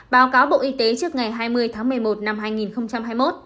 báo cáo bộ y tế trước ngày hai mươi tháng một mươi một năm hai nghìn hai mươi một